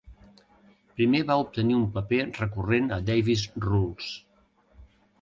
Primer va obtenir un paper recurrent a "Davis Rules".